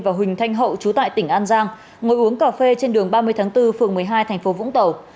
và huỳnh thanh hậu chú tại tỉnh an giang ngồi uống cà phê trên đường ba mươi tháng bốn phường một mươi hai thành phố vũng tàu